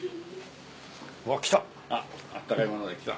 うわ来た。